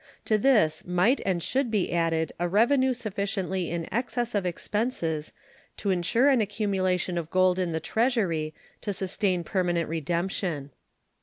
To this might and should be added a revenue sufficiently in excess of expenses to insure an accumulation of gold in the Treasury to sustain permanent redemption.